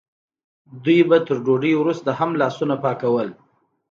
دوی به تر ډوډۍ وروسته هم لاسونه پاکول.